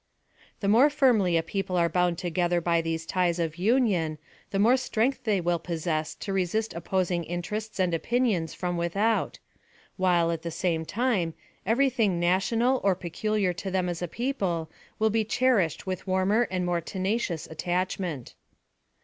The more firmly a people are bound together by these ties of union, the more strength they will pos sess to resist opposing interests and opinions from without ; while, at the same time, every thing na tional, or peculiar to them as a people, will be cher ished with warmer and more tenacious attachment.